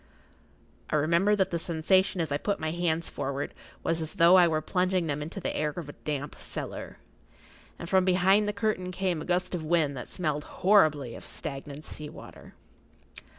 I remember that the sensation as I put my hands forward was as though I were plunging them into the air of a damp cellar, and from behind the curtain came a gust of wind that smelled horribly of stagnant sea water.